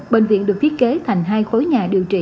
bệnh viện được thiết kế thành hai khối nhà điều trị